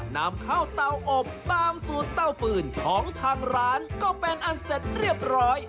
นำเข้าเตาอบตามสูตรเต้าปืนของทางร้านก็เป็นอันเสร็จเรียบร้อย